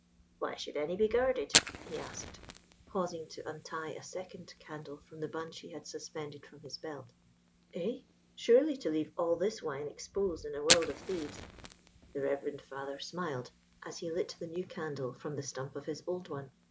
"Why should any be guarded?" he asked, pausing to untie a second candle from the bunch he had suspended from his belt. "Eh? Surely to leave all this wine exposed in a world of thieves " The reverend father smiled as he lit the new candle from the stump of his old one.